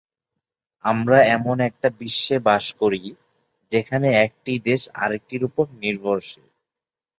আমরা এমন একটি বিশ্বে বাস করি, যেখানে একটি দেশ আরেকটির ওপর নির্ভরশীল।